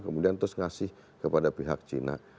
kemudian terus ngasih kepada pihak cina